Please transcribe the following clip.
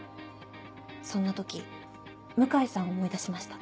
そんな時向井さんを思い出しました。